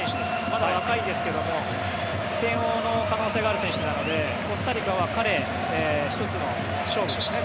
まだ若いんですけども得点の可能性のある選手なのでコスタリカは彼、１つの勝負ですね